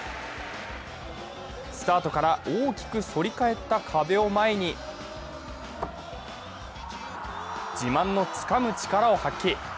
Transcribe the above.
スタートから大きく反り返った壁を前に自慢のつかむ力を発揮。